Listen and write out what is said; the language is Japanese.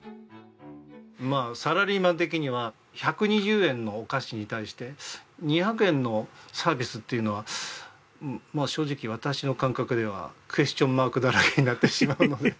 まあサラリーマン的には１２０円のお菓子に対して２００円のサービスっていうのは正直私の感覚ではクエスチョンマークだらけになってしまうので。